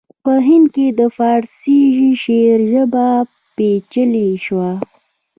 په هند کې د پارسي شعر ژبه پیچلې شوه